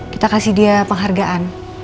kita kasih dia penghargaan